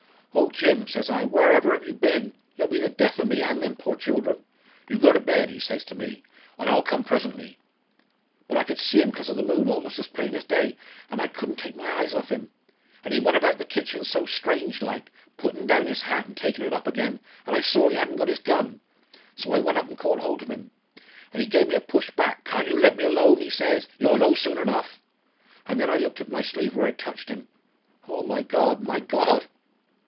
'Oh, Jim,' says I, 'wherever have you been? You'll be the death o' me and them poor children!' 'You go to bed,' says he to me, 'and I'll come presently.' But I could see him, 'cos of the moon, almost as plain as day, an' I couldn't take my eyes off him. And he went about the kitchen so strange like, puttin' down his hat and takin' it up again, an' I saw he hadn't got his gun. So I went up and caught holt on him. An' he gave me a push back. 'Can't you let me alone?' he says; 'you'll know soon enough.' An' then I looked at my sleeve where I'd touched him oh, my God! my God!"